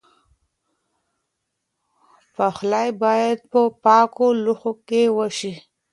پخلی باید په پاکو لوښو کې وشي.